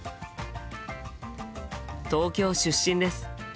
東京出身です。